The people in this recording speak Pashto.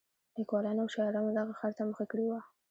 لیکوالانو او شاعرانو دغه ښار ته مخه کړې وه.